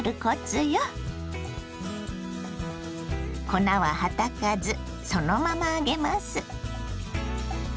粉ははたかずそのまま揚げます。